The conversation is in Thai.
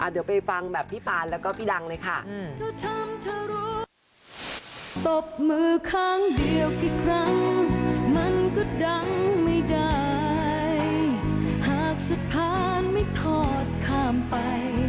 เดี๋ยวไปฟังแบบพี่ปานแล้วก็พี่ดังเลยค่ะ